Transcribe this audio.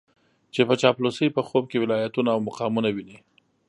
چې په چاپلوسۍ په خوب کې ولايتونه او مقامونه ويني.